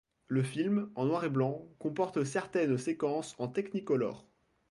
Le film, en noir et blanc, comporte certaines séquences en technicolor.